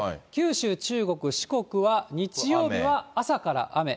九州、中国、四国は日曜日は朝から雨。